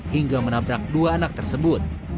hingga menabrak dua anak tersebut